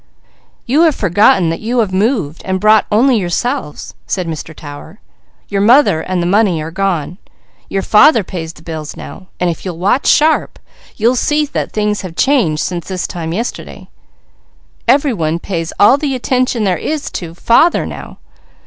"You have forgotten that you have moved, and brought only yourselves," said Mr. Tower. "Your mother and the money are gone. Your father pays the bills now, and if you'll watch sharp, you'll see that things have changed since this time yesterday. Every one pays all the attention there is to father now.